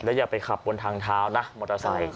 อย่าไปขับบนทางเท้านะมอเตอร์ไซค